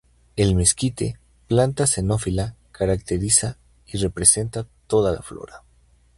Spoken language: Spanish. El mezquite, planta xerófila, caracteriza y representa toda la flora.